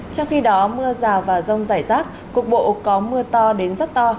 trong khi đó mưa rào và rông rải rác cục bộ có mưa to đến rất to